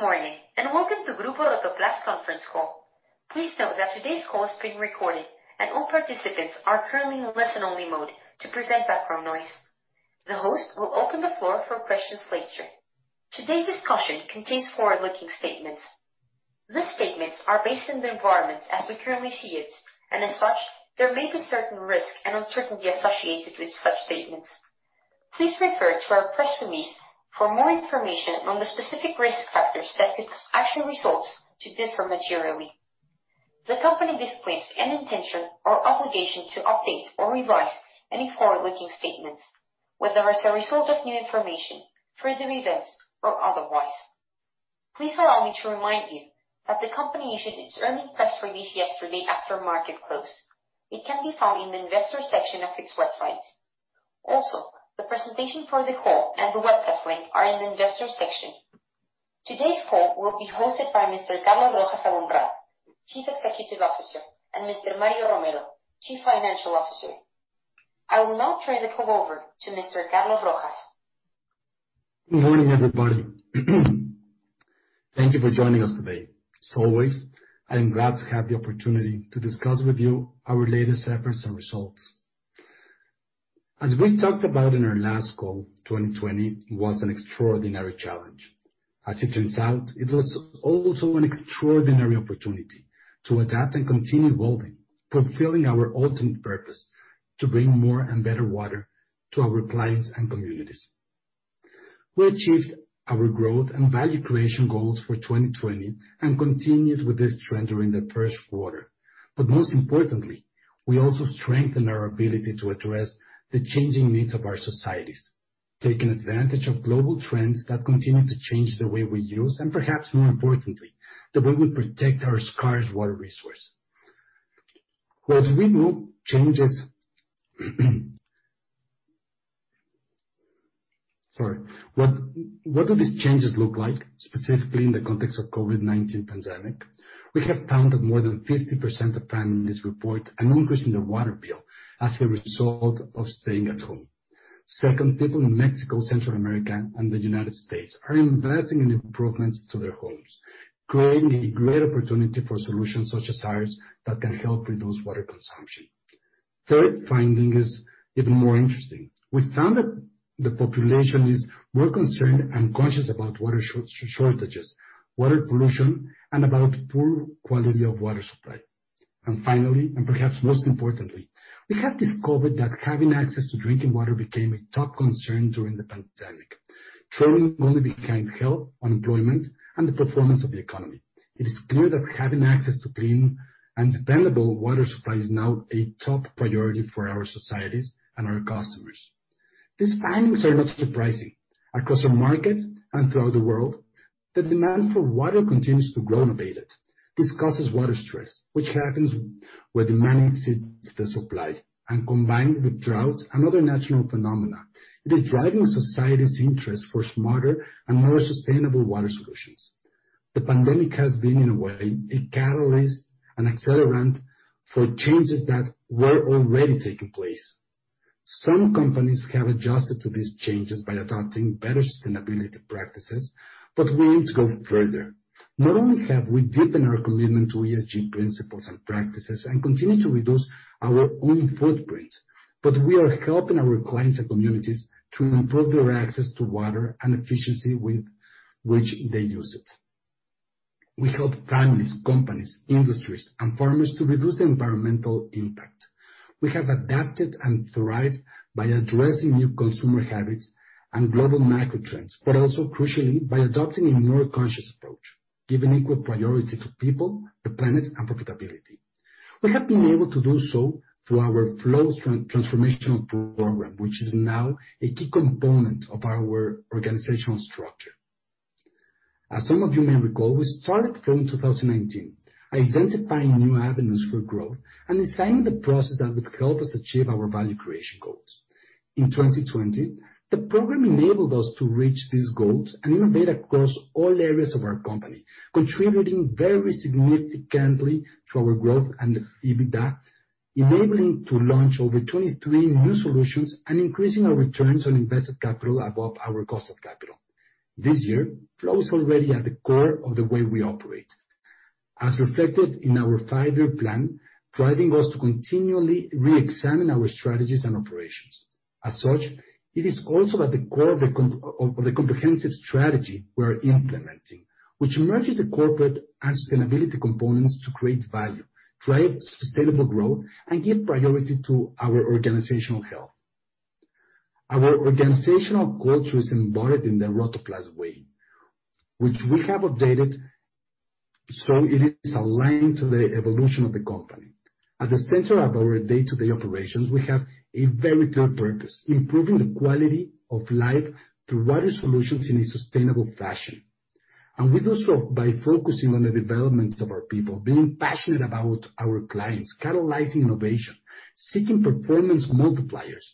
Good morning, and welcome to Grupo Rotoplas conference call. Please note that today's call is being recorded, and all participants are currently in listen-only mode to prevent background noise. The host will open the floor for questions later. Today's discussion contains forward-looking statements. These statements are based on the environment as we currently see it, and as such, there may be certain risk and uncertainty associated with such statements. Please refer to our press release for more information on the specific risk factors that could cause actual results to differ materially. The company disclaims any intention or obligation to update or revise any forward-looking statements, whether as a result of new information, further events, or otherwise. Please allow me to remind you that the company issued its earnings press release yesterday after market close. It can be found in the investors section of its website. Also, the presentation for the call and the webcast link are in the investors section. Today's call will be hosted by Mr. Carlos Rojas Aboumrad, Chief Executive Officer, and Mr. Mario Romero, Chief Financial Officer. I will now turn the call over to Mr. Carlos Rojas. Good morning, everybody. Thank you for joining us today. As always, I am glad to have the opportunity to discuss with you our latest efforts and results. As we talked about in our last call, 2020 was an extraordinary challenge. As it turns out, it was also an extraordinary opportunity to adapt and continue evolving, fulfilling our ultimate purpose to bring more and better water to our clients and communities. We achieved our growth and value creation goals for 2020, and continued with this trend during the first quarter. Most importantly, we also strengthened our ability to address the changing needs of our societies, taking advantage of global trends that continue to change the way we use, and perhaps more importantly, the way we protect our scarce water resource. What do these changes look like, specifically in the context of COVID-19 pandemic? We have found that more than 50% of time in this report, an increase in the water bill as a result of staying at home. Second, people in Mexico, Central America, and the United States are investing in improvements to their homes, creating a great opportunity for solutions such as ours that can help reduce water consumption. Third finding is even more interesting. We found that the population is more concerned and conscious about water shortages, water pollution, and about poor quality of water supply. Finally, and perhaps most importantly, we have discovered that having access to drinking water became a top concern during the pandemic, trailing only behind health, unemployment, and the performance of the economy. It is clear that having access to clean and dependable water supply is now a top priority for our societies and our customers. These findings are not surprising. Across our markets and throughout the world, the demand for water continues to grow unabated. This causes water stress, which happens where demand exceeds the supply, and combined with drought and other natural phenomena, it is driving society's interest for smarter and more sustainable water solutions. The pandemic has been, in a way, a catalyst, an accelerant for changes that were already taking place. Some companies have adjusted to these changes by adopting better sustainability practices, we need to go further. Not only have we deepened our commitment to ESG principles and practices and continue to reduce our own footprint, we are helping our clients and communities to improve their access to water and efficiency with which they use it. We help families, companies, industries, and farmers to reduce their environmental impact. We have adapted and thrived by addressing new consumer habits and global macro trends, but also, crucially, by adopting a more conscious approach, giving equal priority to people, the planet, and profitability. We have been able to do so through our FLOW transformational program, which is now a key component of our organizational structure. As some of you may recall, we started FLOW in 2019, identifying new avenues for growth and assigning the process that would help us achieve our value creation goals. In 2020, the program enabled us to reach these goals and innovate across all areas of our company, contributing very significantly to our growth and the EBITDA, enabling to launch over 23 new solutions, and increasing our returns on invested capital above our cost of capital. This year, FLOW is already at the core of the way we operate. As reflected in our five-year plan, driving us to continually reexamine our strategies and operations. As such, it is also at the core of the comprehensive strategy we are implementing, which merges the corporate and sustainability components to create value, drive sustainable growth, and give priority to our organizational health. Our organizational culture is embodied in the Rotoplas Way, which we have updated, so it is aligned to the evolution of the company. At the center of our day-to-day operations, we have a very clear purpose, improving the quality of life through water solutions in a sustainable fashion. We do so by focusing on the development of our people, being passionate about our clients, catalyzing innovation, seeking performance multipliers,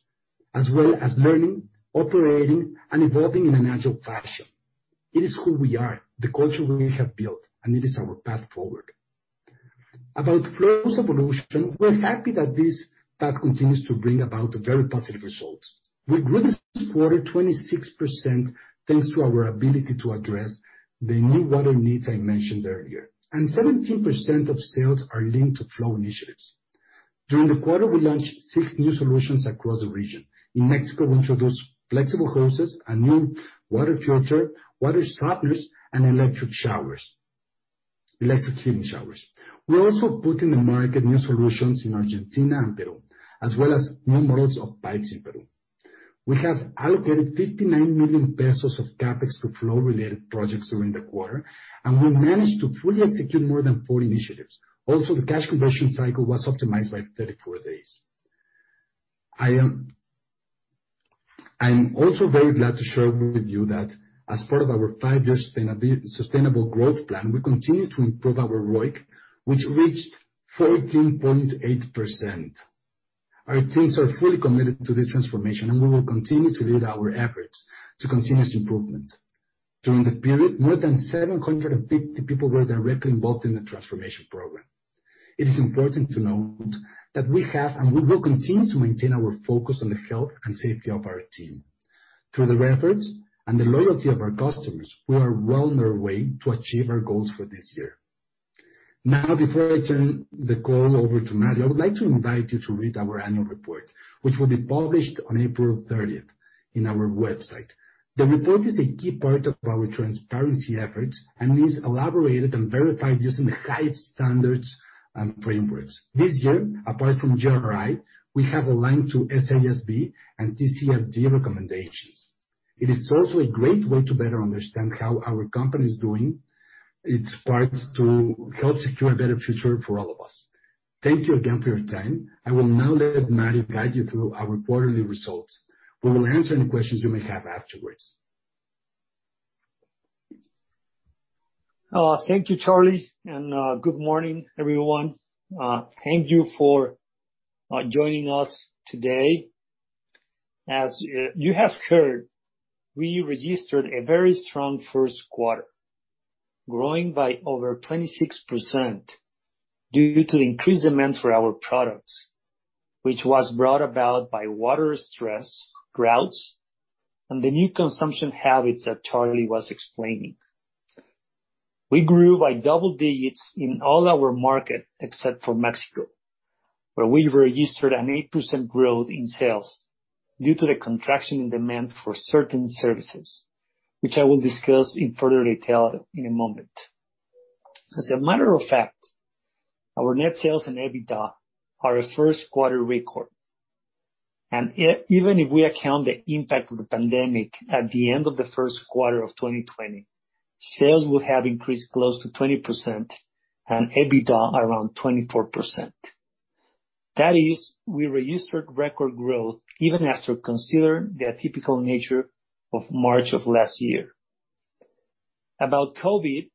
as well as learning, operating, and evolving in an agile fashion. It is who we are, the culture we have built, and it is our path forward. About Flow's evolution, we're happy that this path continues to bring about very positive results. We grew this quarter 26% thanks to our ability to address the new water needs I mentioned earlier, and 17% of sales are linked to Flow initiatives. During the quarter, we launched six new solutions across the region. In Mexico, we introduced flexible hoses, a new water filter, water softeners, and electric heating showers. We also put in the market new solutions in Argentina and Peru, as well as new models of pipes in Peru. We have allocated 59 million pesos of CapEx to Flow-related projects during the quarter, and we managed to fully execute more than 40 initiatives. The cash conversion cycle was optimized by 34 days. I'm also very glad to share with you that as part of our five-year sustainable growth plan, we continue to improve our ROIC, which reached 14.8%. Our teams are fully committed to this transformation, and we will continue to lead our efforts to continuous improvement. During the period, more than 750 people were directly involved in the transformation program. It is important to note that we have, and we will continue to maintain our focus on the health and safety of our team. Through the efforts and the loyalty of our customers, we are well on our way to achieve our goals for this year. Now, before I turn the call over to Mario, I would like to invite you to read our annual report, which will be published on April 30th on our website. The report is a key part of our transparency efforts and is elaborated and verified using the highest standards and frameworks. This year, apart from GRI, we have aligned to SASB and TCFD recommendations. It is also a great way to better understand how our company is doing its part to help secure a better future for all of us. Thank you again for your time. I will now let Mario guide you through our quarterly results. We will answer any questions you may have afterwards. Thank you, Charly. Good morning, everyone. Thank you for joining us today. As you have heard, we registered a very strong first quarter, growing by over 26% due to increased demand for our products, which was brought about by water stress, droughts, and the new consumption habits that Charly was explaining. We grew by double digits in all our markets except for Mexico, where we registered an 8% growth in sales due to the contraction in demand for certain services, which I will discuss in further detail in a moment. As a matter of fact, our net sales and EBITDA are a first quarter record. Even if we account the impact of the pandemic at the end of the first quarter of 2020, sales will have increased close to 20% and EBITDA around 24%. We registered record growth even after considering the atypical nature of March of last year. About COVID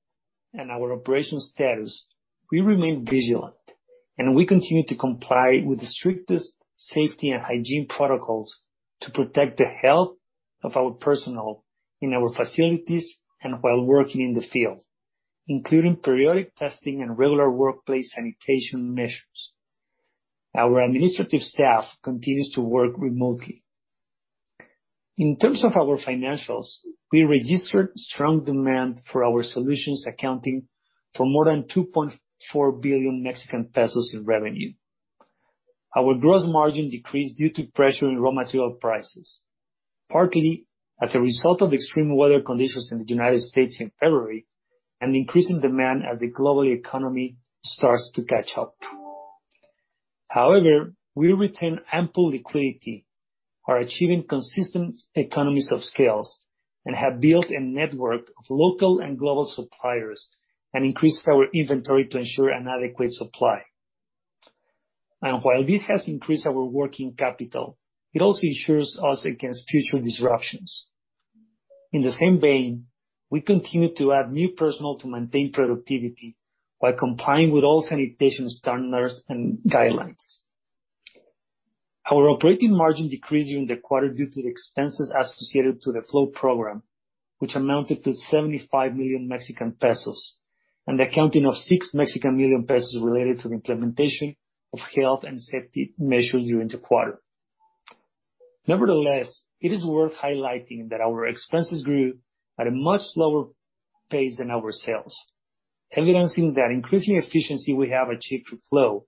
and our operation status, we remain vigilant, and we continue to comply with the strictest safety and hygiene protocols to protect the health of our personnel in our facilities and while working in the field, including periodic testing and regular workplace sanitation measures. Our administrative staff continues to work remotely. In terms of our financials, we registered strong demand for our solutions, accounting for more than 2.4 billion Mexican pesos in revenue. Our gross margin decreased due to pressure in raw material prices, partly as a result of extreme weather conditions in the United States in February and increasing demand as the global economy starts to catch up. However, we retain ample liquidity by achieving consistent economies of scale and have built a network of local and global suppliers and increased our inventory to ensure an adequate supply. While this has increased our working capital, it also ensures us against future disruptions. In the same vein, we continue to add new personnel to maintain productivity while complying with all sanitation standards and guidelines. Our operating margin decreased during the quarter due to the expenses associated to the FLOW program, which amounted to 75 million Mexican pesos and the accounting of 6 million pesos related to the implementation of health and safety measures during the quarter. Nevertheless, it is worth highlighting that our expenses grew at a much slower pace than our sales, evidencing the increasing efficiency we have achieved with FLOW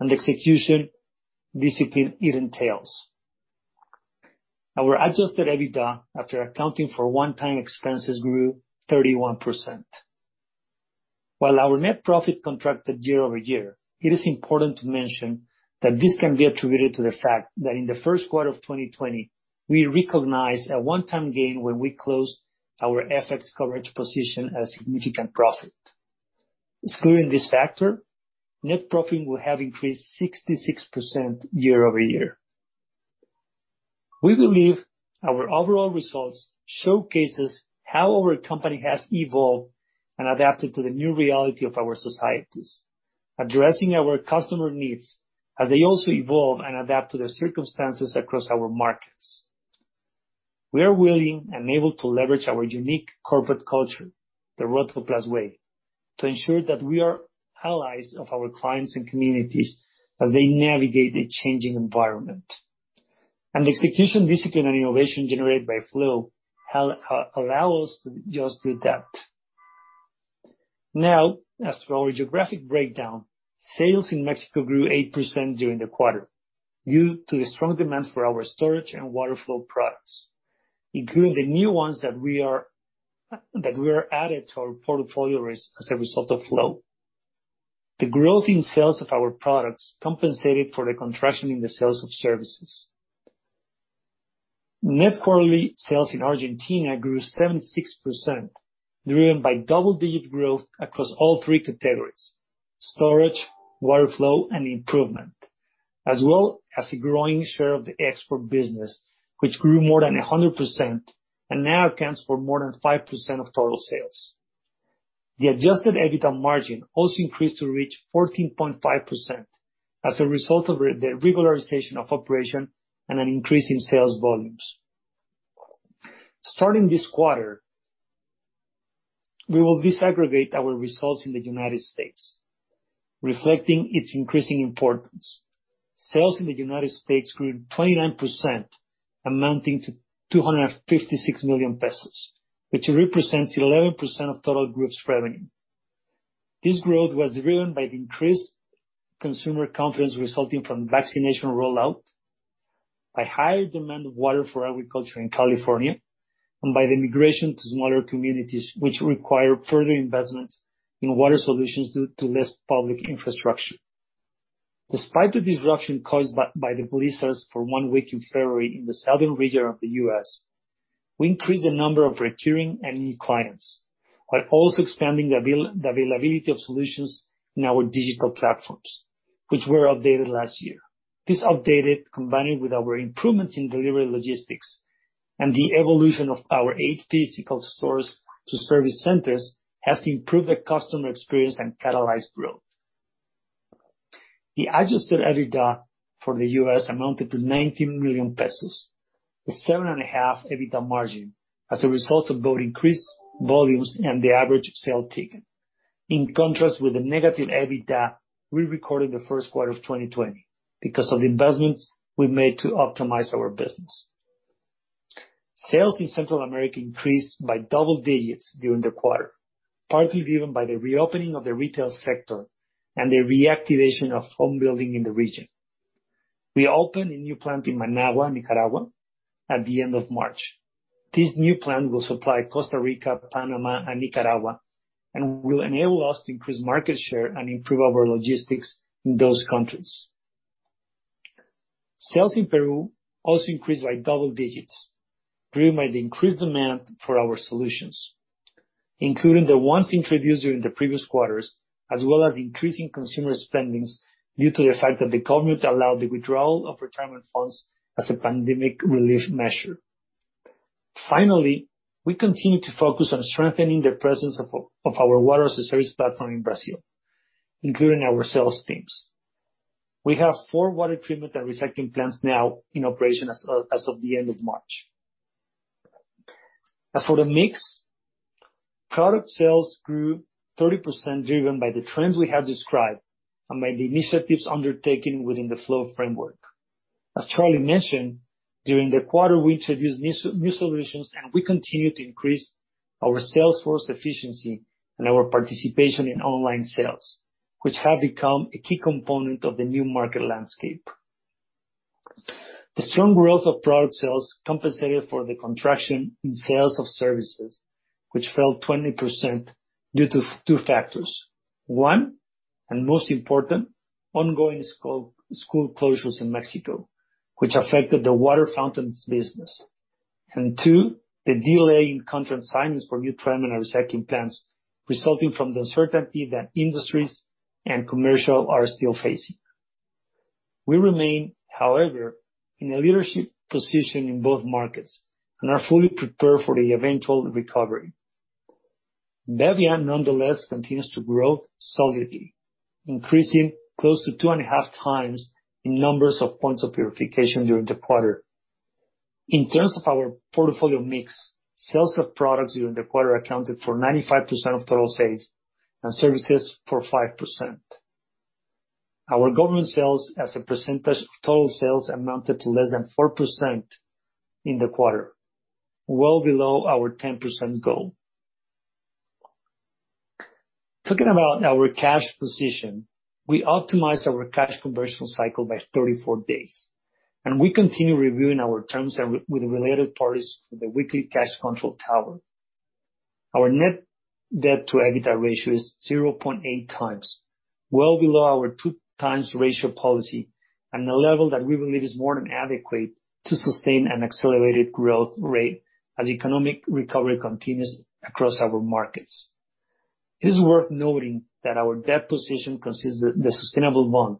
and the execution discipline it entails. Our adjusted EBITDA, after accounting for one-time expenses, grew 31%. While our net profit contracted year-over-year, it is important to mention that this can be attributed to the fact that in the first quarter of 2020, we recognized a one-time gain when we closed our FX coverage position at a significant profit. Excluding this factor, net profit will have increased 66% year-over-year. We believe our overall results showcases how our company has evolved and adapted to the new reality of our societies, addressing our customer needs as they also evolve and adapt to their circumstances across our markets. We are willing and able to leverage our unique corporate culture, the Rotoplas Way, to ensure that we are allies of our clients and communities as they navigate the changing environment. The execution discipline and innovation generated by FLOW allow us to just do that. As for our geographic breakdown, sales in Mexico grew 8% during the quarter due to the strong demand for our storage and water flow products, including the new ones that were added to our portfolio as a result of Flow. The growth in sales of our products compensated for the contraction in the sales of services. Net quarterly sales in Argentina grew 76%, driven by double-digit growth across all three categories: storage, water flow, and improvement, as well as a growing share of the export business, which grew more than 100% and now accounts for more than 5% of total sales. The adjusted EBITDA margin also increased to reach 14.5% as a result of the regularization of operation and an increase in sales volumes. Starting this quarter, we will disaggregate our results in the United States, reflecting its increasing importance. Sales in the United States grew 29%, amounting to 256 million pesos, which represents 11% of total group's revenue. This growth was driven by the increased consumer confidence resulting from vaccination rollout, by higher demand of water for agriculture in California, and by the migration to smaller communities, which require further investments in water solutions due to less public infrastructure. Despite the disruption caused by the polar freeze for one week in February in the southern region of the U.S., we increased the number of recurring and new clients, while also expanding the availability of solutions in our digital platforms, which were updated last year. This updated, combined with our improvements in delivery logistics and the evolution of our eight physical stores to service centers, has improved the customer experience and catalyzed growth. The adjusted EBITDA for the U.S. amounted to 19 million pesos, a 7.5% EBITDA margin as a result of both increased volumes and the average sale ticket. In contrast with the negative EBITDA, we recorded the first quarter of 2020 because of the investments we made to optimize our business. Sales in Central America increased by double digits during the quarter, partly driven by the reopening of the retail sector and the reactivation of home building in the region. We opened a new plant in Managua, Nicaragua at the end of March. This new plant will supply Costa Rica, Panama and Nicaragua, and will enable us to increase market share and improve our logistics in those countries. Sales in Peru also increased by double digits, driven by the increased demand for our solutions, including the ones introduced during the previous quarters, as well as increasing consumer spendings due to the fact that the government allowed the withdrawal of retirement funds as a pandemic relief measure. Finally, we continue to focus on strengthening the presence of our water as a service platform in Brazil, including our sales teams. We have four water treatment and recycling plants now in operation as of the end of March. As for the mix, product sales grew 30%, driven by the trends we have described and by the initiatives undertaken within the Flow framework. As Charly mentioned, during the quarter, we introduced new solutions, and we continue to increase our sales force efficiency and our participation in online sales, which have become a key component of the new market landscape. The strong growth of product sales compensated for the contraction in sales of services, which fell 20% due to two factors. One, and most important, ongoing school closures in Mexico, which affected the water fountains business. Two, the delay in contract signings for new treatment and recycling plants resulting from the uncertainty that industries and commercial are still facing. We remain, however, in a leadership position in both markets and are fully prepared for the eventual recovery. bebbia, nonetheless, continues to grow solidly, increasing close to 2.5x in numbers of points of purification during the quarter. In terms of our portfolio mix, sales of products during the quarter accounted for 95% of total sales and services for 5%. Our government sales as a percentage of total sales amounted to less than 4% in the quarter, well below our 10% goal. Talking about our cash position, we optimized our cash conversion cycle by 34 days, and we continue reviewing our terms with related parties for the weekly cash control tower. Our net debt to EBITDA ratio is 0.8x, well below our 2x ratio policy and a level that we believe is more than adequate to sustain an accelerated growth rate as economic recovery continues across our markets. It is worth noting that our debt position consists of the sustainable bond,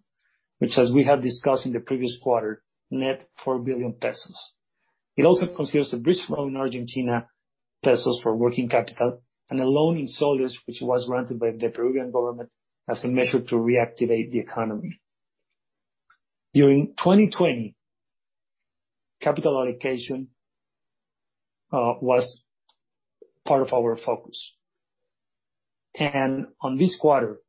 which, as we have discussed in the previous quarter, net 4 billion pesos. It also consists of bridge loan Argentina pesos for working capital, and a loan in soles, which was granted by the Peruvian government as a measure to reactivate the economy. During 2020, capital allocation was part of our focus. On this quarter,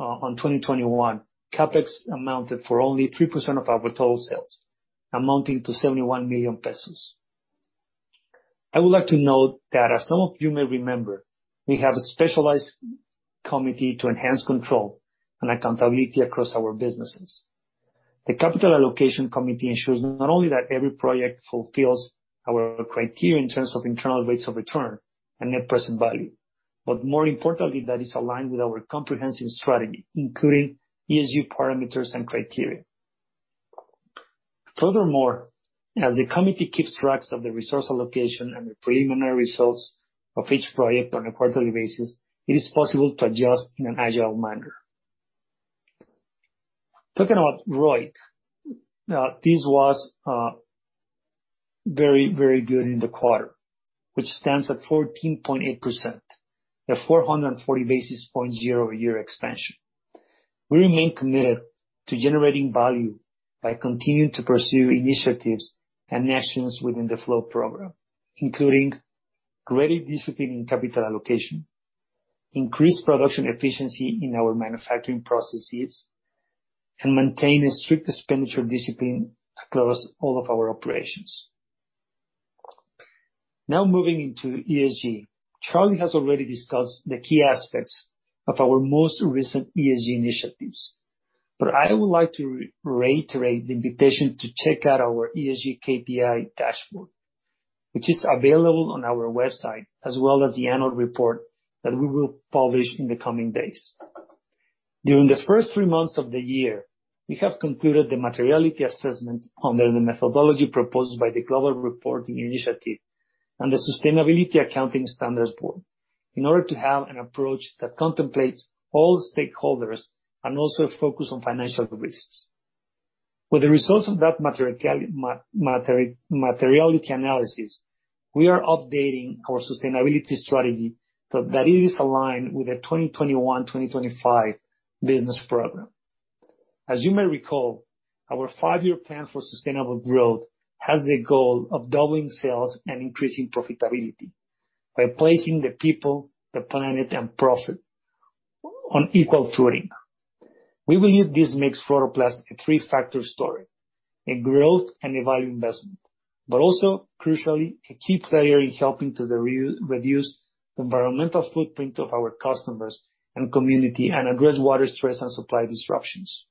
in 2021, CapEx amounted for only 3% of our total sales, amounting to 71 million pesos. I would like to note that as some of you may remember, we have a specialized committee to enhance control and accountability across our businesses. The capital allocation committee ensures not only that every project fulfills our criteria in terms of internal rates of return and net present value, but more importantly, that is aligned with our comprehensive strategy, including ESG parameters and criteria. Furthermore, as the committee keeps tracks of the resource allocation and the preliminary results of each project on a quarterly basis, it is possible to adjust in an agile manner. Talking about ROIC, this was very good in the quarter, which stands at 14.8%, a 440 basis point year-over-year expansion. We remain committed to generating value by continuing to pursue initiatives and actions within the FLOW program, including greater discipline in capital allocation, increased production efficiency in our manufacturing processes, and maintain a strict expenditure discipline across all of our operations. Now moving into ESG. Charly has already discussed the key aspects of our most recent ESG initiatives, but I would like to reiterate the invitation to check out our ESG KPI dashboard, which is available on our website, as well as the annual report that we will publish in the coming days. During the first three months of the year, we have concluded the materiality assessment under the methodology proposed by the Global Reporting Initiative and the Sustainability Accounting Standards Board in order to have an approach that contemplates all stakeholders and also focus on financial risks. With the results of that materiality analysis, we are updating our sustainability strategy that it is aligned with the 2021-2025 business program. As you may recall, our five-year plan for sustainable growth has the goal of doubling sales and increasing profitability by placing the people, the planet, and profit on equal footing. We believe this makes Flow a three factor story, a growth and a value investment, but also crucially, a key player in helping to reduce the environmental footprint of our customers and community and address water stress and supply disruptions.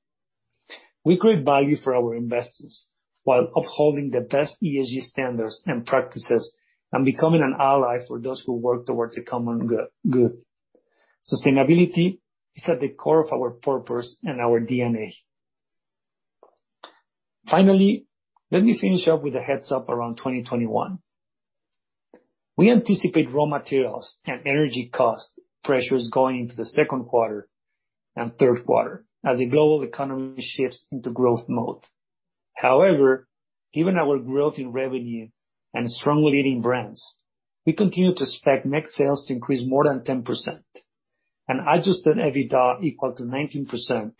We create value for our investors while upholding the best ESG standards and practices and becoming an ally for those who work towards a common good. Sustainability is at the core of our purpose and our DNA. Finally, let me finish up with a heads up around 2021. We anticipate raw materials and energy cost pressures going into the second quarter and third quarter as the global economy shifts into growth mode. Given our growth in revenue and strong leading brands, we continue to expect net sales to increase more than 10% and adjusted EBITDA equal to 19%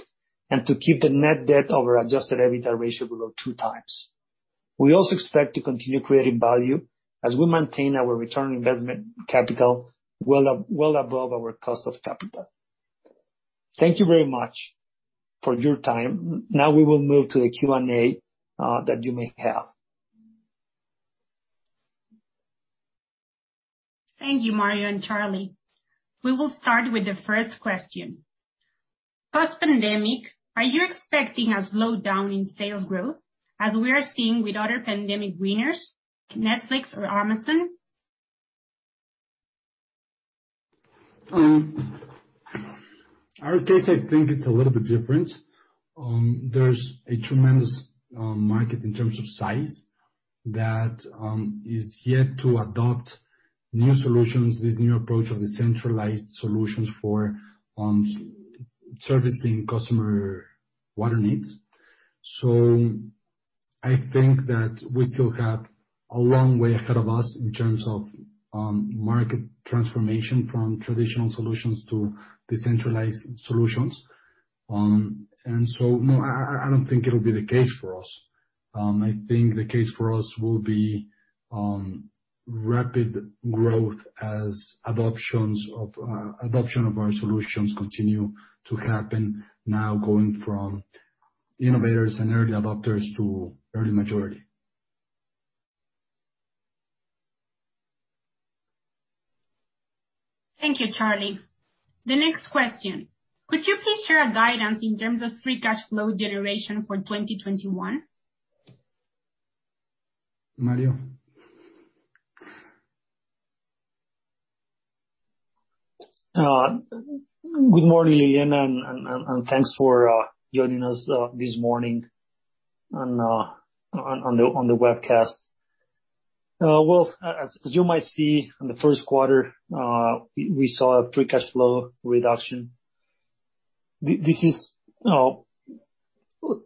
and to keep the net debt over adjusted EBITDA ratio below 2x. We also expect to continue creating value as we maintain our return on investment capital well above our cost of capital. Thank you very much for your time. Now we will move to the Q&A that you may have. Thank you, Mario and Charly. We will start with the first question. Post-pandemic, are you expecting a slowdown in sales growth as we are seeing with other pandemic winners, Netflix or Amazon? Our case, I think, it's a little bit different. There's a tremendous market in terms of size that is yet to adopt new solutions, this new approach of decentralized solutions for servicing customer water needs. I think that we still have a long way ahead of us in terms of market transformation from traditional solutions to decentralized solutions. No, I don't think it'll be the case for us. I think the case for us will be rapid growth as adoption of our solutions continue to happen now going from innovators and early adopters to early majority. Thank you, Charly. The next question. Could you please share a guidance in terms of free cash flow generation for 2021? Mario? Good morning, Liliana. Thanks for joining us this morning on the webcast. Well, as you might see, in the first quarter, we saw a free cash flow reduction. This is a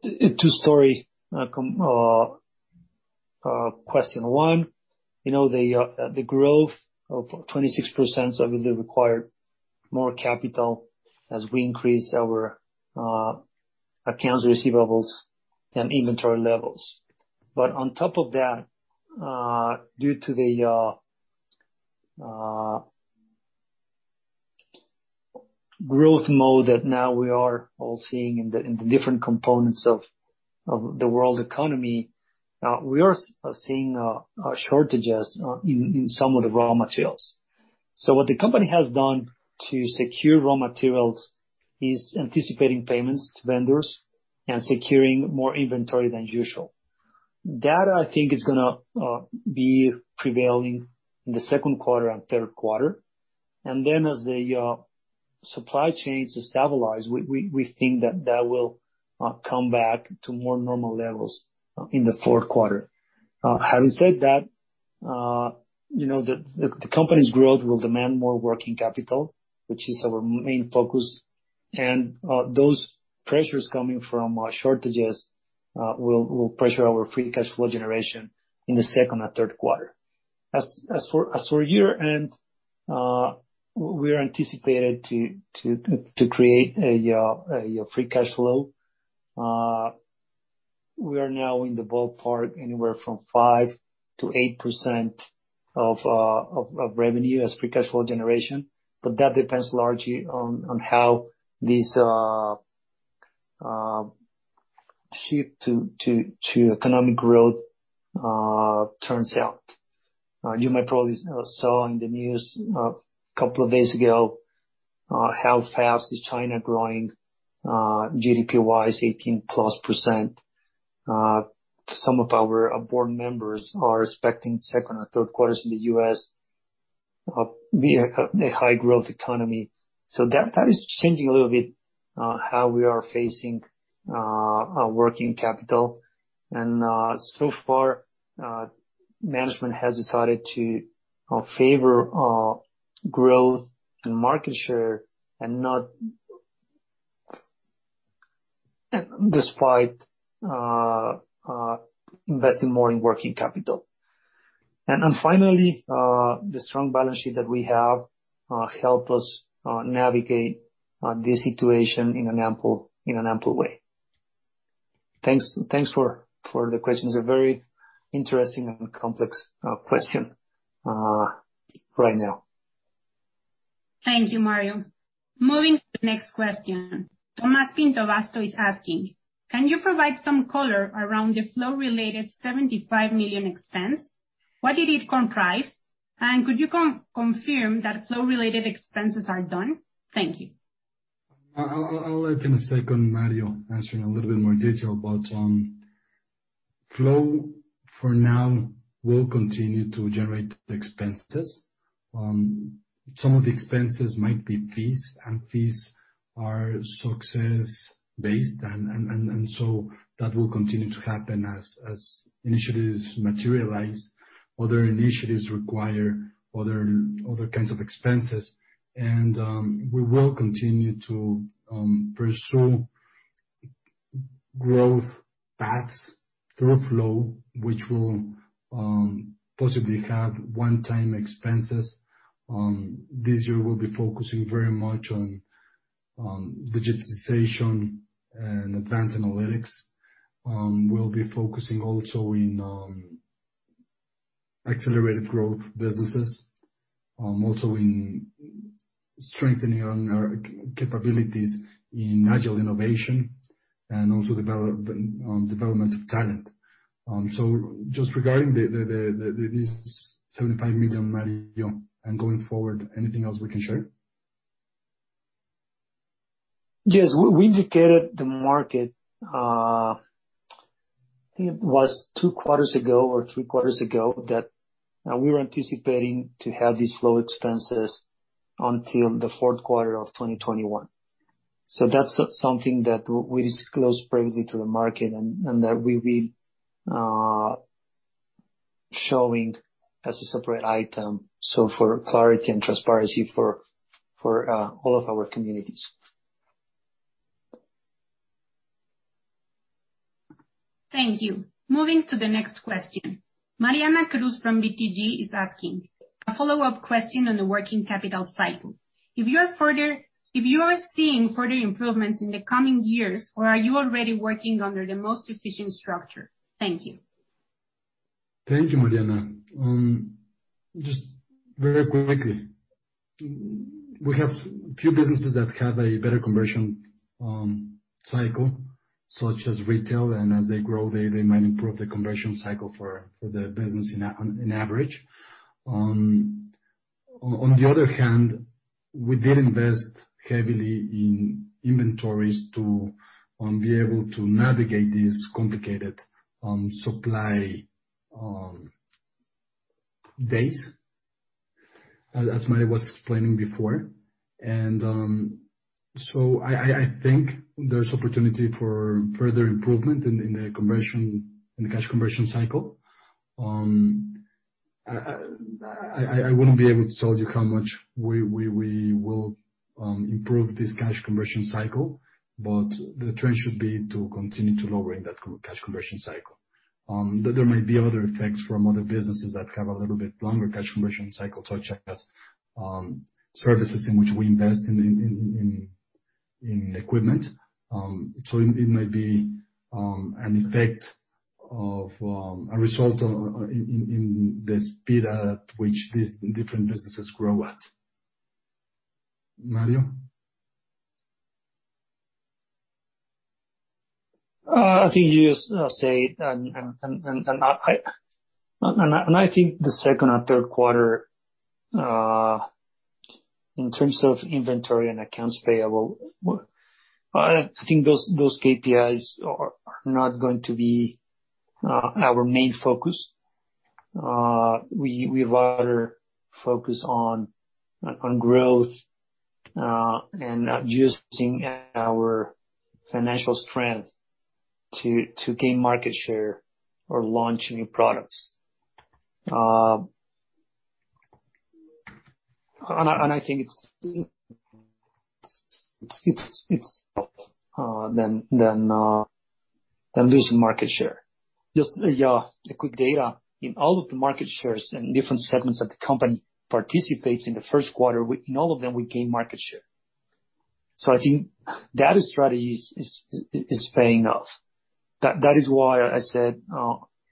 two story component. One, the growth of 26% obviously required more capital as we increase our accounts receivables and inventory levels. On top of that, due to the growth mode that now we are all seeing in the different components of the world economy, we are seeing shortages in some of the raw materials. What the company has done to secure raw materials is anticipating payments to vendors and securing more inventory than usual. That, I think, is going to be prevailing in the second quarter and third quarter. As the supply chains stabilize, we think that that will come back to more normal levels in the fourth quarter. Having said that, the company's growth will demand more working capital, which is our main focus. Those pressures coming from shortages will pressure our free cash flow generation in the second and third quarter. As for year-end, we are anticipated to create a free cash flow. We are now in the ballpark anywhere from 5%-8% of revenue as free cash flow generation. That depends largely on how this shift to economic growth turns out. You may probably saw on the news a couple of days ago, how fast is China growing, GDP-wise, 18%+. Some of our board members are expecting second or third quarters in the U.S. via a high growth economy. That is changing a little bit how we are facing our working capital. So far, management has decided to favor growth and market share despite investing more in working capital. Finally, the strong balance sheet that we have helped us navigate this situation in an ample way. Thanks for the questions. A very interesting and complex question right now. Thank you, Mario. Moving to the next question. Tomás Busto is asking, "Can you provide some color around the flow-related 75 million expense? What did it comprise? Could you confirm that flow-related expenses are done? Thank you. I'll let, in a second, Mario answer in a little bit more detail. FLOW, for now, will continue to generate the expenses. Some of the expenses might be fees, and fees are success-based. That will continue to happen as initiatives materialize. Other initiatives require other kinds of expenses, and we will continue to pursue growth paths through FLOW, which will possibly have one-time expenses. This year, we'll be focusing very much on digitization and advanced analytics. We'll be focusing also on accelerated growth businesses, also in strengthening our capabilities in agile innovation, and also development of talent. Just regarding this 75 million, Mario, and going forward, anything else we can share? Yes. We indicated the market, I think it was two quarters ago or three quarters ago, that we were anticipating to have these Flow expenses until the fourth quarter of 2021. That's something that we disclosed previously to the market and that we'll be showing as a separate item, so for clarity and transparency for all of our communities. Thank you. Moving to the next question. Mariana Cruz from BTG is asking a follow-up question on the working capital cycle. If you are seeing further improvements in the coming years, or are you already working under the most efficient structure? Thank you. Thank you, Mariana. Just very quickly, we have a few businesses that have a better conversion cycle, such as retail, and as they grow, they might improve the conversion cycle for the business on average. On the other hand, we did invest heavily in inventories to be able to navigate these complicated supply chains, as Mario was explaining before. I think there's opportunity for further improvement in the cash conversion cycle. I wouldn't be able to tell you how much we will improve this cash conversion cycle, The trend should be to continue to lowering that cash conversion cycle. There might be other effects from other businesses that have a little bit longer cash conversion cycle, such as services in which we invest in equipment. It might be an effect of a result in the speed at which these different businesses grow at. Mario? I think you just say, I think the second or third quarter, in terms of inventory and accounts payable, I think those KPIs are not going to be our main focus. We'd rather focus on growth, using our financial strength to gain market share or launch new products. I think it's better than losing market share. Just a quick data. In all of the market shares and different segments that the company participates in the first quarter, in all of them, we gain market share. I think that strategy is paying off. That is why I said,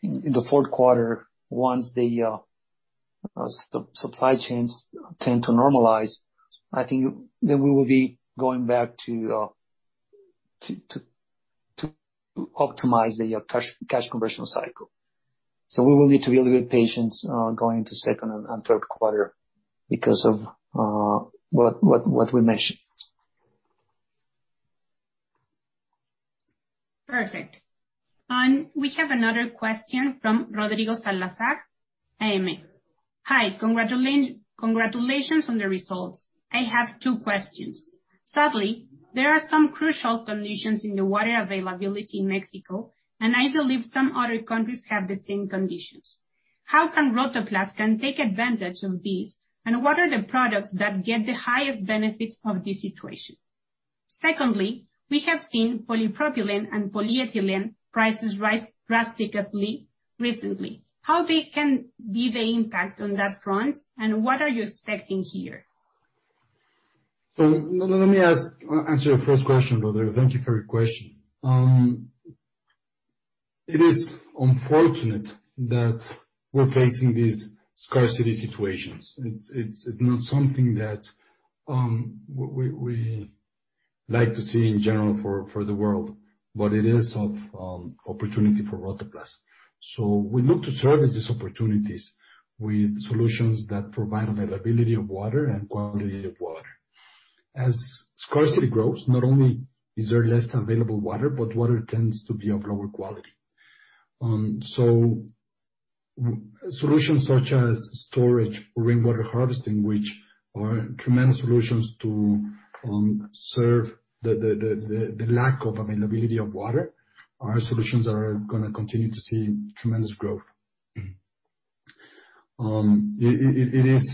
in the fourth quarter, once the supply chains tend to normalize, I think we will be going back to optimize the cash conversion cycle. We will need to be a little bit patient going into second and third quarter because of what we mentioned. Perfect. We have another question from Rodrigo Salazar. AMM. Hi, congratulations on the results. I have two questions. Sadly, there are some crucial conditions in the water availability in Mexico, and I believe some other countries have the same conditions. How can Rotoplas take advantage of this, and what are the products that get the highest benefits of this situation? Secondly, we have seen polypropylene and polyethylene prices rise drastically recently. How big can be the impact on that front, and what are you expecting here? Let me answer your first question, Rodrigo. Thank you for your question. It is unfortunate that we're facing these scarcity situations. It's not something that we like to see in general for the world, but it is of opportunity for Rotoplas. We look to service these opportunities with solutions that provide availability of water and quality of water. As scarcity grows, not only is there less available water, but water tends to be of lower quality. Solutions such as storage or rainwater harvesting, which are tremendous solutions to serve the lack of availability of water, our solutions are going to continue to see tremendous growth. It is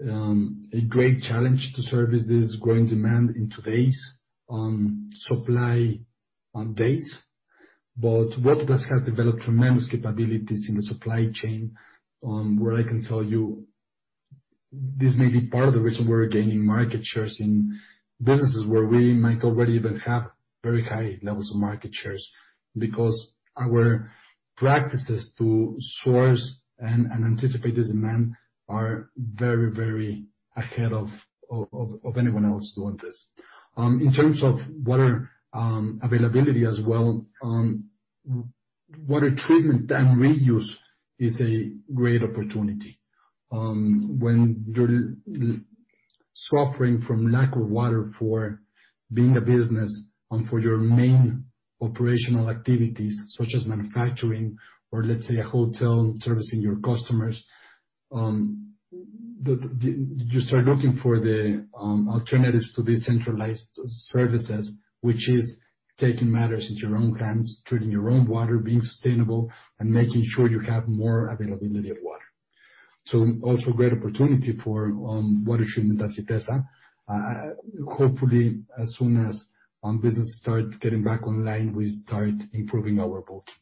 a great challenge to service this growing demand in today's supply chain. Rotoplas has developed tremendous capabilities in the supply chain, where I can tell you this may be part of the reason we're gaining market shares in businesses where we might already even have very high levels of market shares, because our practices to source and anticipate this demand are very ahead of anyone else doing this. In terms of water availability as well, water treatment and reuse is a great opportunity. When you're suffering from lack of water for being a business, and for your main operational activities, such as manufacturing or let's say a hotel servicing your customers, you start looking for the alternatives to these centralized services, which is taking matters into your own hands, treating your own water, being sustainable and making sure you have more availability of water. Also great opportunity for water treatment at IPS. Hopefully, as soon as business starts getting back online, we start improving our booking.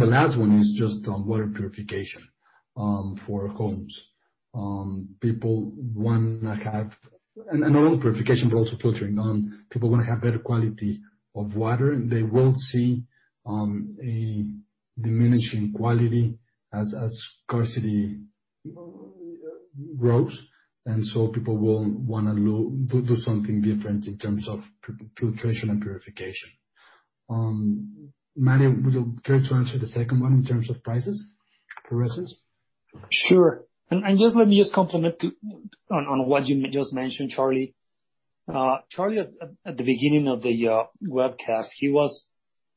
The last one is just on water purification for homes. People want to have not only purification, but also filtering. People want to have better quality of water, and they will see a diminishing quality as scarcity grows, and so people will want to do something different in terms of filtration and purification. Mario, would you care to answer the second one in terms of prices? Sure. Let me just complement on what you just mentioned, Charly. Charly, at the beginning of the webcast, he was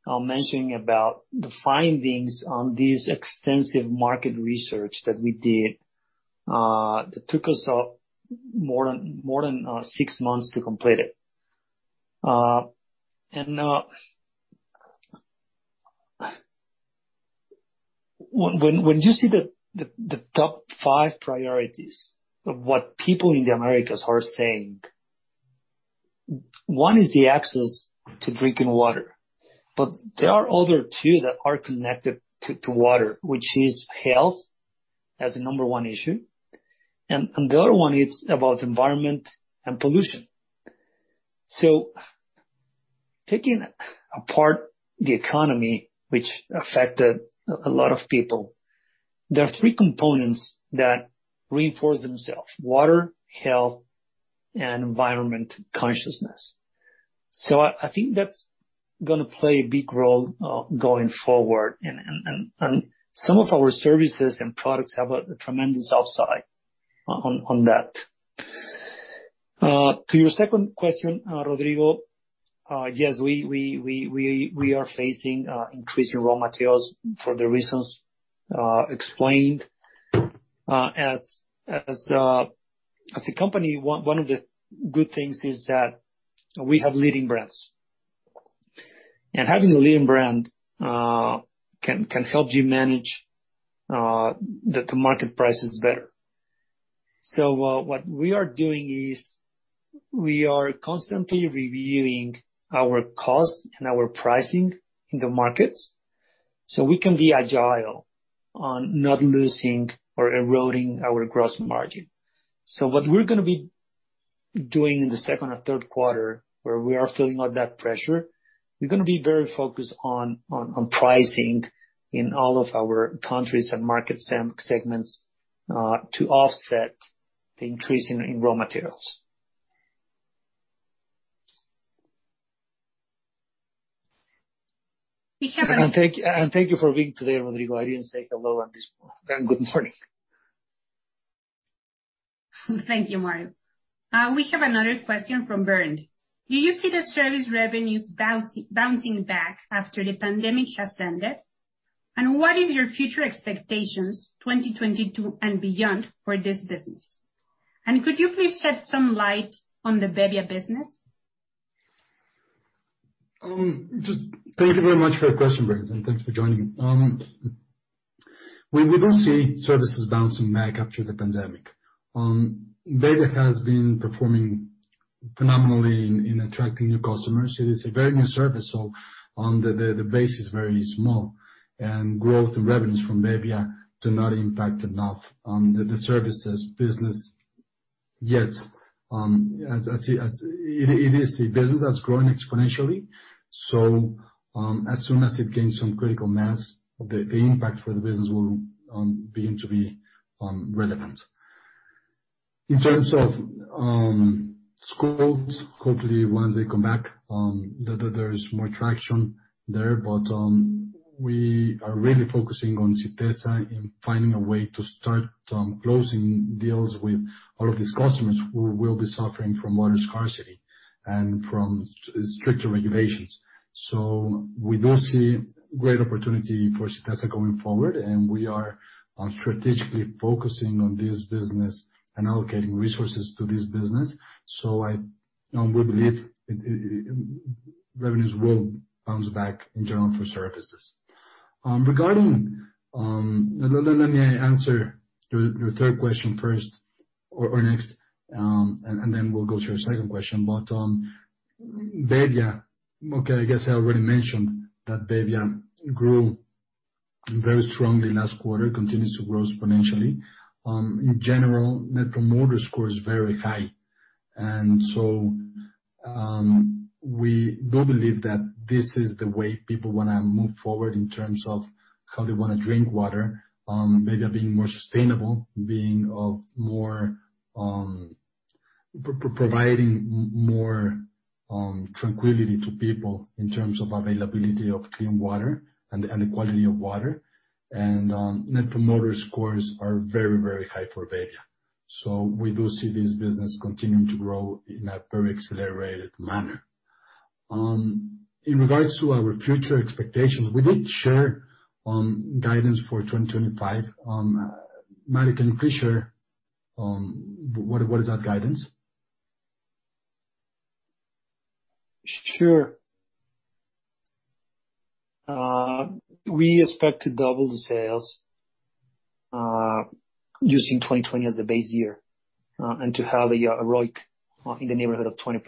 mentioning about the findings on this extensive market research that we did, that took us more than six months to complete it. When you see the top five priorities of what people in the Americas are saying, one is the access to drinking water, but there are other two that are connected to water, which is health as the number one issue, and the other one it's about environment and pollution. Taking apart the economy, which affected a lot of people, there are three components that reinforce themselves, water, health, and environment consciousness. I think that's going to play a big role going forward, and some of our services and products have a tremendous upside on that. To your second question, Rodrigo, yes, we are facing increasing raw materials for the reasons explained. As a company, one of the good things is that we have leading brands. Having a leading brand can help you manage the market prices better. What we are doing is we are constantly reviewing our cost and our pricing in the markets so we can be agile on not losing or eroding our gross margin. What we're going to be doing in the second or third quarter, where we are feeling all that pressure, we're going to be very focused on pricing in all of our countries and market segments to offset the increase in raw materials. We have- Thank you for being today, Rodrigo. I didn't say hello at this point, and good morning. Thank you, Mario. We have another question from Bernd. Do you see the services revenues bouncing back after the pandemic has ended? What is your future expectations 2022 and beyond for this business? Could you please shed some light on the bebbia business? Thank you very much for your question, Bernd, and thanks for joining. We do see services bouncing back after the pandemic. bebbia has been performing phenomenally in attracting new customers. It is a very new service, so the base is very small. Growth and revenues from bebbia do not impact enough on the services business yet. It is a business that's growing exponentially, as soon as it gains some critical mass, the impact for the business will begin to be relevant. In terms of schools, hopefully once they come back, there is more traction there. We are really focusing on Sytesa in finding a way to start closing deals with all of these customers who will be suffering from water scarcity and from stricter regulations. We do see great opportunity for Sytesa going forward, and we are strategically focusing on this business and allocating resources to this business. We believe revenues will bounce back in general for services. Let me answer your third question first or next, and then we'll go to your second question. bebbia, okay, I guess I already mentioned that bebbia grew very strongly last quarter, continues to grow exponentially. In general, Net Promoter Score is very high. We do believe that this is the way people want to move forward in terms of how they want to drink water. bebbia being more sustainable, providing more tranquility to people in terms of availability of clean water and the quality of water. Net Promoter Scores are very, very high for bebbia. We do see this business continuing to grow in a very accelerated manner. In regards to our future expectations, we did share guidance for 2025. Mario, can you please share what is that guidance? Sure. We expect to double the sales using 2020 as the base year, and to have a ROIC in the neighborhood of 20%.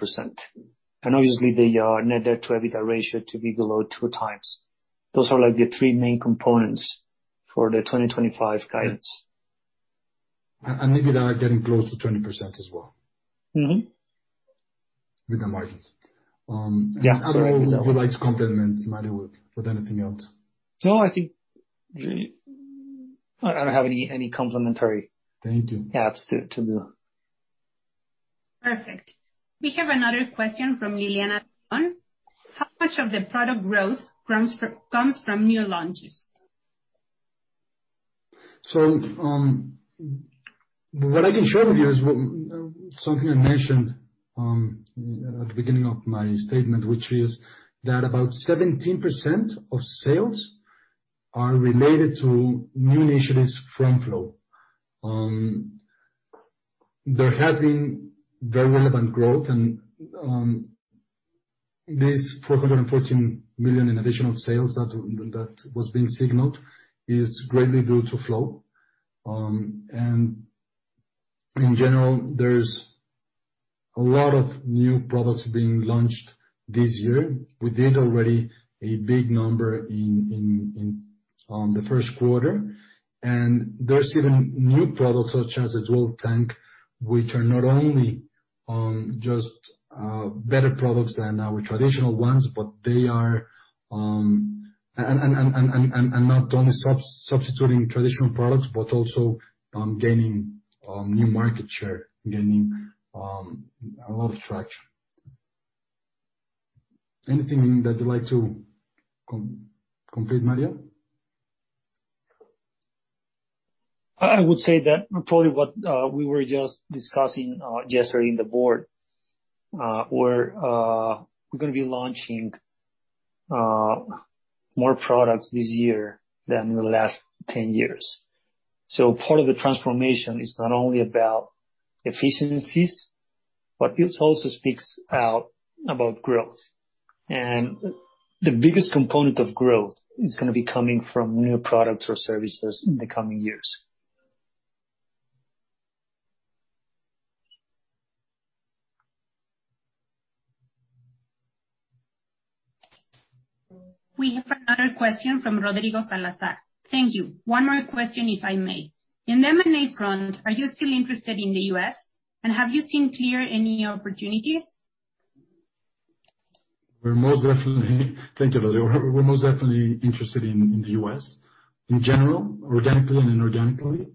Obviously the net debt to EBITDA ratio to be below 2x. Those are the three main components for the 2025 guidance. EBITDA getting close to 20% as well. With the margins. Yeah. I don't know who would like to complement Mario with anything else? No, I think I don't have any. Thank you. Yeah, that's good to know. Perfect. We have another question from Liliana. How much of the product growth comes from new launches? What I can share with you is something I mentioned at the beginning of my statement, which is that about 17% of sales are related to new initiatives from Flow. There has been very relevant growth, and this 414 million in additional sales that was being signaled is greatly due to Flow. In general, there's a lot of new products being launched this year. We did already a big number on the first quarter, there's even new products such as a dual tank, which are not only just better products than our traditional ones, and not only substituting traditional products, but also gaining new market share, gaining a lot of traction. Anything that you'd like to complete, Mario? I would say that probably what we were just discussing yesterday in the board, we're going to be launching more products this year than in the last 10 years. Part of the transformation is not only about efficiencies, but this also speaks out about growth. The biggest component of growth is going to be coming from new products or services in the coming years. We have another question from Rodrigo Salazar. Thank you. One more question, if I may. In M&A front, are you still interested in the U.S., and have you seen clear any opportunities? Thank you, Rodrigo. We're most definitely interested in the U.S. in general, organically and inorganically.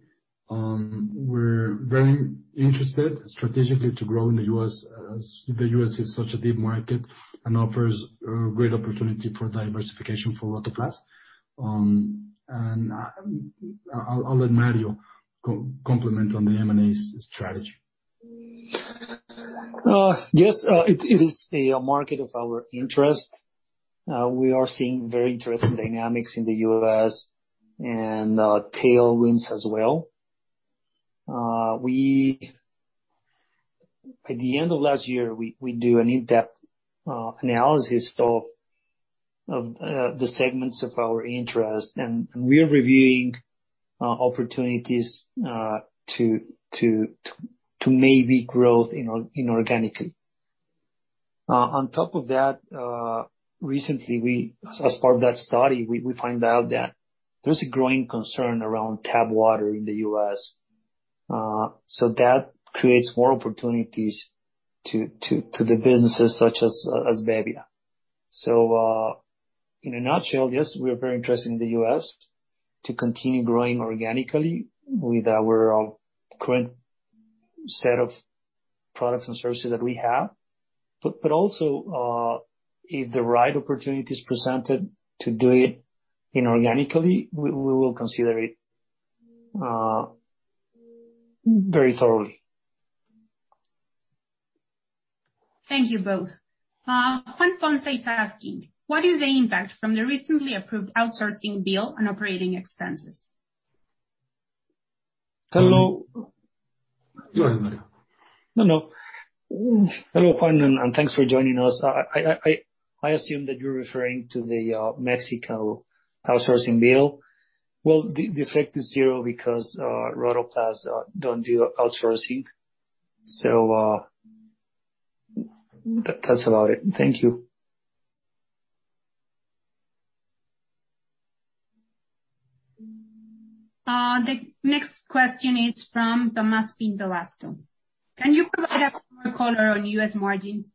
We're very interested strategically to grow in the U.S., as the U.S. is such a big market and offers a great opportunity for diversification for Rotoplas. I'll let Mario complement on the M&A strategy. It is a market of our interest. We are seeing very interesting dynamics in the U.S., and tailwinds as well. At the end of last year, we do an in-depth analysis of the segments of our interest, and we're reviewing opportunities to maybe grow inorganically. On top of that, recently, as part of that study, we find out that there's a growing concern around tap water in the U.S. That creates more opportunities to the businesses such as bebbia. In a nutshell, yes, we are very interested in the U.S. to continue growing organically with our current set of products and services that we have. Also, if the right opportunity is presented to do it inorganically, we will consider it very thoroughly. Thank you both. Juan Ponce is asking, what is the impact from the recently approved outsourcing bill on operating expenses? Hello. Go ahead, Mario. No, no. Hello, Juan, and thanks for joining us. I assume that you're referring to the Mexico outsourcing bill. The effect is zero because Rotoplas don't do outsourcing. That's about it. Thank you. The next question is from Tomás Busto. Can you provide us more color on U.S. margin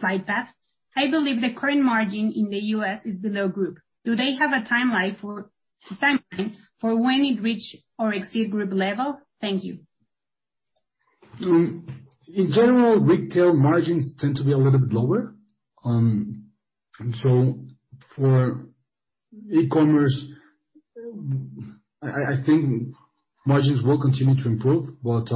flight path? I believe the current margin in the U.S. is below group. Do they have a timeline for when it reach or exceed group level? Thank you. In general, retail margins tend to be a little bit lower. For e-commerce, I think margins will continue to improve, but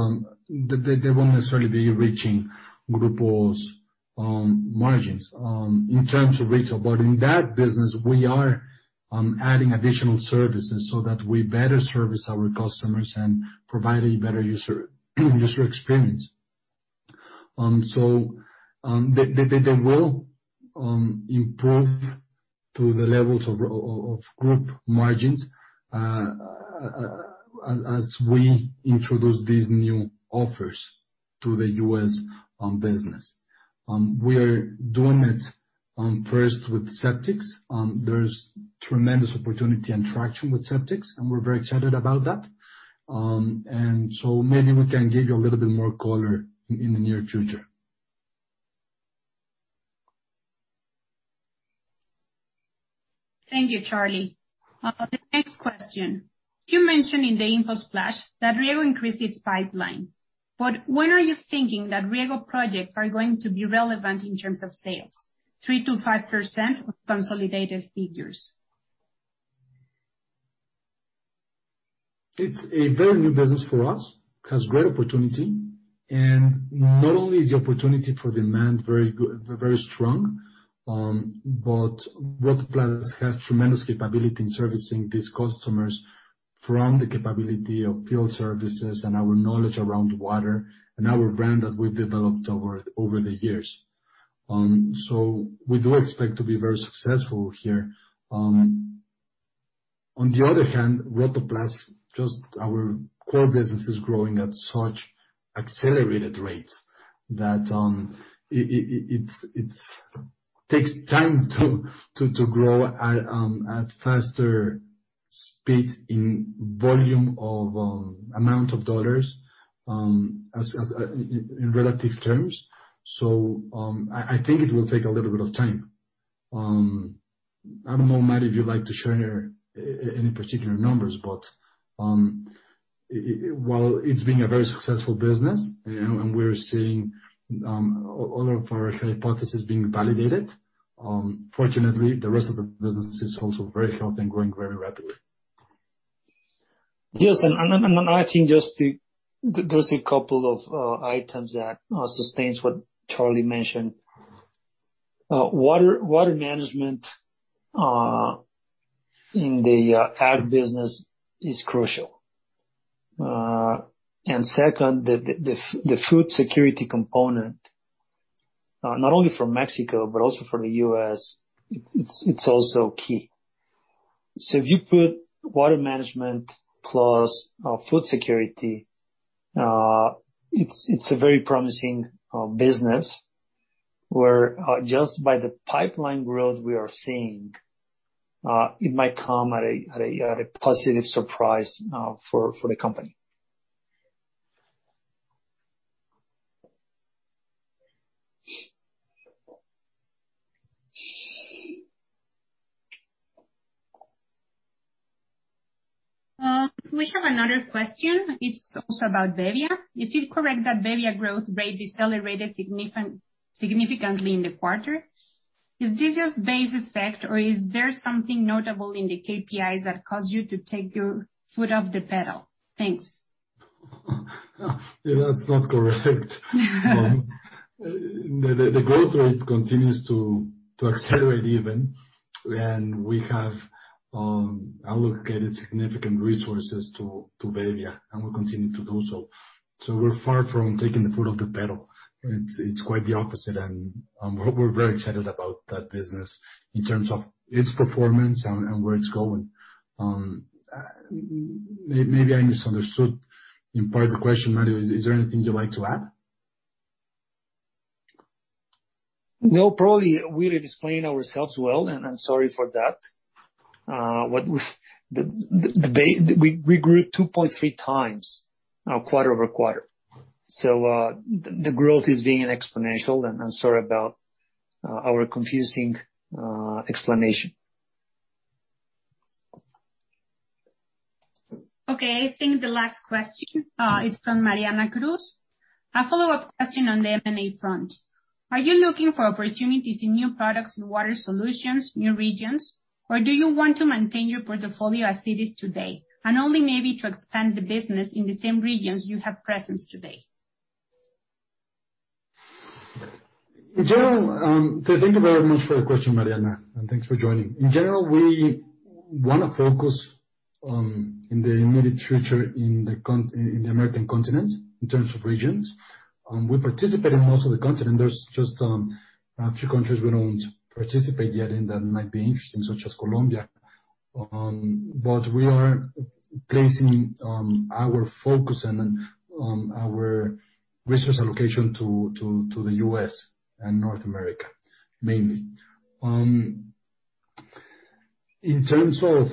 they won't necessarily be reaching Rotoplas's margins in terms of retail. In that business, we are adding additional services so that we better service our customers and provide a better user experience. They will improve to the levels of Rotoplas margins as we introduce these new offers to the U.S. business. We're doing it first with septics. There's tremendous opportunity and traction with septics, and we're very excited about that. Maybe we can give you a little bit more color in the near future. Thank you, Charly. The next question. You mentioned in the info flash that rieggo increased its pipeline. When are you thinking that rieggo projects are going to be relevant in terms of sales, 3%-5% of consolidated figures? It’s a very new business for us, has great opportunity. Not only is the opportunity for demand very good, very strong, but Rotoplas has tremendous capability in servicing these customers from the capability of field services and our knowledge around water and our brand that we’ve developed over the years. So we do expect to be very successful here. On the other hand, Rotoplas, just our core business is growing at such accelerated rates that, it takes time to grow at faster speed in volume of, amount of MXN, as, in relative terms. I think it will take a little bit of time. I don't know, Mario, if you'd like to share any particular numbers, but while it's been a very successful business, you know, and we're seeing all of our hypotheses being validated, fortunately, the rest of the business is also very healthy and growing very rapidly. Yes. Adding just a couple of items that sustains what Charly mentioned. Water management in the ag business is crucial. Second, the food security component, not only for Mexico, but also for the U.S., it's also key. If you put water management plus food security, it's a very promising business where just by the pipeline growth we are seeing, it might come at a positive surprise for the company. We have another question. It's also about bebbia. Is it correct that bebbia growth rate decelerated significantly in the quarter? Is this just base effect, or is there something notable in the KPIs that caused you to take your foot off the pedal? Thanks. That's not correct. The growth rate continues to accelerate even, and we have allocated significant resources to bebbia, and we'll continue to do so. We're far from taking the foot off the pedal. It's quite the opposite, and we're very excited about that business in terms of its performance and where it's going. Maybe I misunderstood. In part of the question, Mario, is there anything you'd like to add? Probably we didn't explain ourselves well, and I'm sorry for that. We grew two point 3x quarter-over-quarter. The growth is being exponential, and I'm sorry about our confusing explanation. Okay, I think the last question is from Mariana Cruz. A follow-up question on the M&A front. Are you looking for opportunities in new products in water solutions, new regions, or do you want to maintain your portfolio as it is today, and only maybe to expand the business in the same regions you have presence today? In general, thank you very much for the question, Mariana, and thanks for joining. In general, we want to focus in the American continent, in terms of regions. We participate in most of the continent. There's just a few countries we don't participate yet in that might be interesting, such as Colombia. We are placing our focus and our resource allocation to the U.S. and North America, mainly. In terms of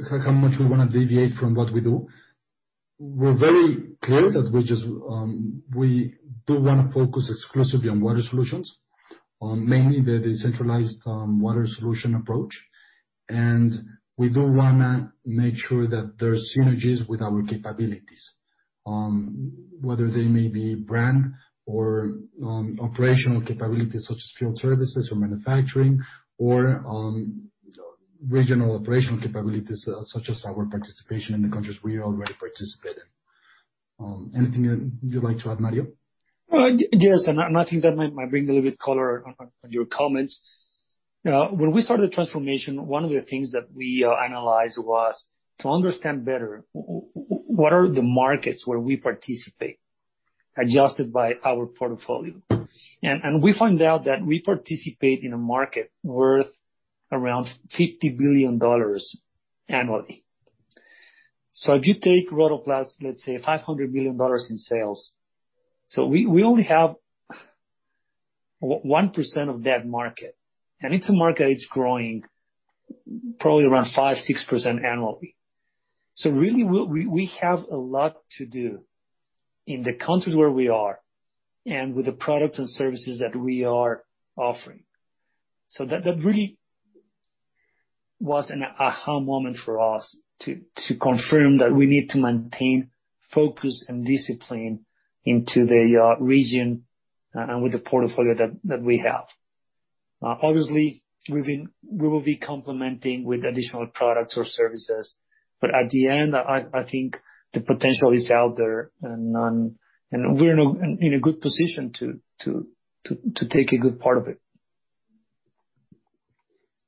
how much we want to deviate from what we do, we're very clear that we just we do want to focus exclusively on water solutions. Mainly the decentralized water solution approach. We do wanna make sure that there's synergies with our capabilities, whether they may be brand or, operational capabilities such as field services or manufacturing or, regional operational capabilities, such as our participation in the countries we already participate in. Anything you'd like to add, Mario? Yes, I think that might bring a little bit color on your comments. When we started transformation, one of the things that we analyzed was to understand better what are the markets where we participate, adjusted by our portfolio. We find out that we participate in a market worth around MXN 50 billion annually. If you take Rotoplas, let's say MXN 500 billion in sales, we only have 1% of that market. It's a market that's growing probably around 5%, 6% annually. Really, we have a lot to do in the countries where we are and with the products and services that we are offering. That really was an aha moment for us to confirm that we need to maintain focus and discipline into the region and with the portfolio that we have. Obviously, we will be complementing with additional products or services. At the end, I think the potential is out there and we're in a good position to take a good part of it.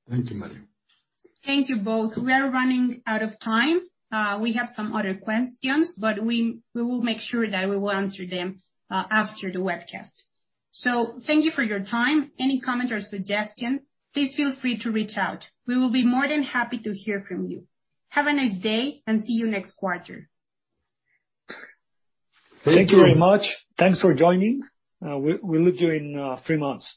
Thank you, Mario. Thank you both. We are running out of time. We have some other questions. We will make sure that we will answer them after the webcast. Thank you for your time. Any comment or suggestion, please feel free to reach out. We will be more than happy to hear from you. Have a nice day. See you next quarter. Thank you. Thank you very much. Thanks for joining. We'll look to you in three months.